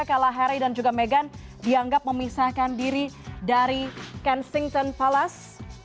kala harry dan juga meghan dianggap memisahkan diri dari kensington palace